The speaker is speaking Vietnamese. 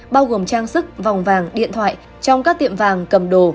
bao gồm trang sức vòng vàng điện thoại trong các tiệm vàng cầm đồ